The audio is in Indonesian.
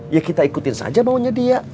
ya kita ikutin saja maunya dia